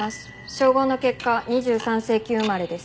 照合の結果２３世紀生まれです。